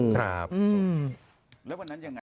ครับอืมแล้ววันนั้นอย่างไร